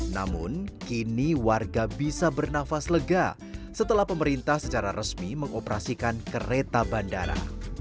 namun kini warga bisa bernafas lega setelah pemerintah secara resmi mengoperasikan kereta bandara